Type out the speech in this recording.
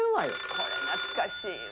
これ懐かしいわ。